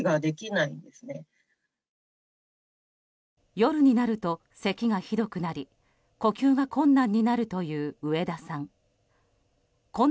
夜になると、せきがひどくなり呼吸が困難になるという上田さん。